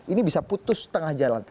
ini bisa putus setengah jalan